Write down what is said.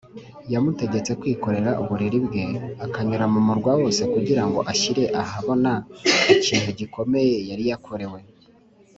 , yamutegetse kwikorera uburiri bwe akanyura mu murwa wose kugira ngo ashyire ahabona ikintu gikomeye yari yakorewe